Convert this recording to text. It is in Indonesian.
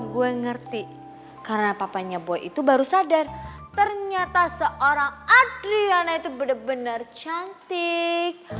gue ngerti karena papanya gue itu baru sadar ternyata seorang adriana itu benar benar cantik